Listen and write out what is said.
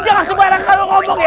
lu jangan sebarang hal lu ngomong ya